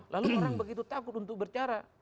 lalu orang begitu takut untuk berbicara